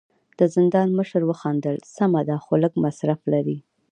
د زندان مشر وخندل: سمه ده، خو لږ مصرف لري.